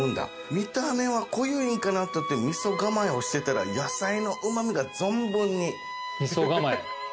見た目は濃ゆいんかなって味噌構えをしてたら野菜のうま味が存分に。